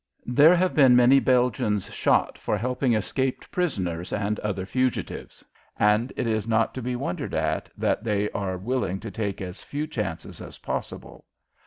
There have been many Belgians shot for helping escaped prisoners and other fugitives, and it is not to be wondered at that they are willing to take as few chances as possible.